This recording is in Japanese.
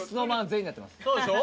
そうでしょ？